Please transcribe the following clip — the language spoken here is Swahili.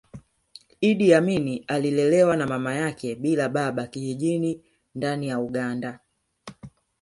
Iddi Amin alilelewa na mama yake bila baba kijijini ndani ya Uganda